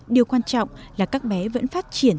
điều quan trọng là các bé vẫn phát triển